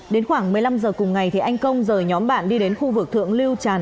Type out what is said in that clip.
đến khoảng một mươi năm h cùng ngày anh công rời nhóm bạn đi đến khu vực thượng lưu tràn